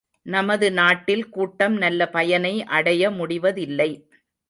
நமது நாட்டில் கூட்டம் நல்ல பயனை அடையமுடிவதில்லை.